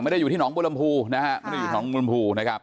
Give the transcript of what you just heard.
ไม่ได้อยู่ที่หนองบุรมภูนะฮะไม่ได้อยู่หนองลำภูนะครับ